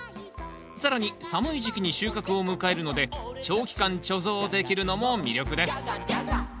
更に寒い時期に収穫を迎えるので長期間貯蔵できるのも魅力です。